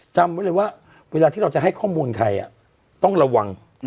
จำไว้เลยว่าเวลาที่เราจะให้ข้อมูลใครต้องระวัง